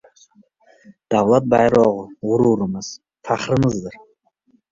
Davlat bayrog‘i g‘ururimiz, faxrimizdir